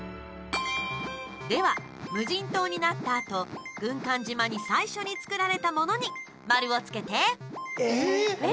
では、無人島になったあと軍艦島に、最初につくられたものに丸をつけて。